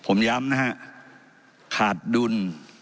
ผมย้ำนะฮะขาดดุล